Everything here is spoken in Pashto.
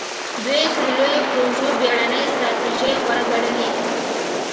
دوی تر لویو پروژو بېړنۍ ستراتیژۍ غوره ګڼلې.